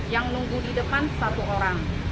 yang nunggu di depan satu orang